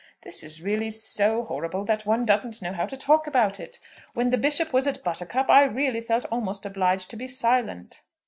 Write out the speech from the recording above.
It is really so horrible that one doesn't know how to talk about it. When the Bishop was at Buttercup I really felt almost obliged to be silent.